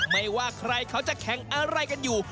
ไม่ว่าใครเขาจะแข่งอะไรกันอยู่